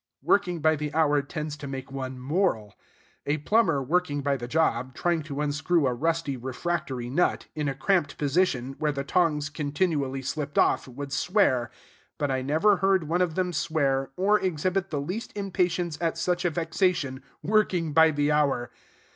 Working by the hour tends to make one moral. A plumber working by the job, trying to unscrew a rusty, refractory nut, in a cramped position, where the tongs continually slipped off, would swear; but I never heard one of them swear, or exhibit the least impatience at such a vexation, working by the hour.